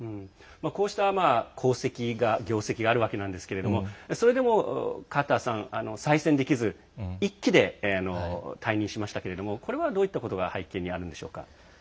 こうした業績があるわけなんですがそれでも、カーターさんは再選できず、１期で退任しましたけれどもこれはどういったことが背景にあるんでしょうか。